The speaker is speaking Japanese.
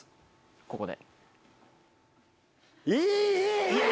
ここで。